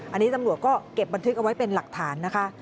อันนี้ตำรวจก็เก็บบันทึกเอาไว้เป็นหลักฐานนะคะ